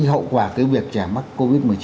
hậu quả cái việc trẻ mắc covid một mươi chín